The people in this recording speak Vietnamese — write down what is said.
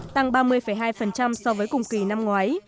tăng ba mươi hai so với cùng kỳ năm ngoái